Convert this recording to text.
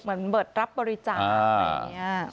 เหมือนเปิดรับบริจาคอะไรอย่างนี้